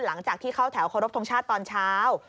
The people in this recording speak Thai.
หลังจากที่เข้าแถวเคารพทงชาติตอนเช้า